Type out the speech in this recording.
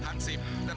pak mada gawat pak